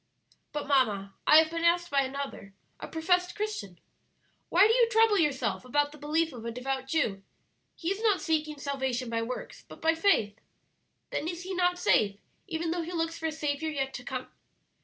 "But, mamma, I have been asked by another, a professed Christian, 'Why do you trouble yourself about the belief of a devout Jew? he is not seeking salvation by works, but by faith; then is he not safe, even though he looks for a Saviour yet to come?'